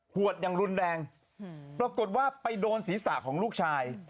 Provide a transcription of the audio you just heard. หวดอย่างรุนแรงปรากฏว่าไปโดนศีรษะของลูกชาย